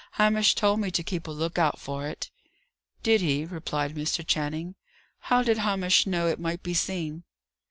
Hamish told me to keep a look out for it." "Did he?" replied Mr. Channing. "How did Hamish know it might be seen?"